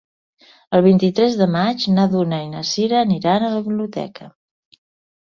El vint-i-tres de maig na Duna i na Sira aniran a la biblioteca.